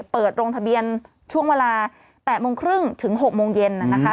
เปิดลงทะเบียนช่วงเวลา๘โมงครึ่งถึง๖โมงเย็นนะคะ